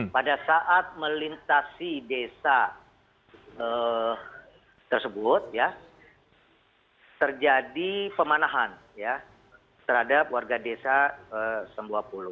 pada saat melintasi desa tersebut terjadi pemanahan terhadap warga desa sempuapulu